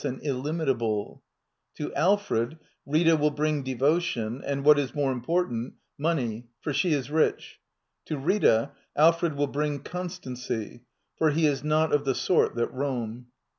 an j Tllimitablis^ To Alfred, ] Rita will bring devotion and, what is more impor I tant, money, for she is rich; to Rita, Alfred will I bring constancy, for he is not of the sort that roam.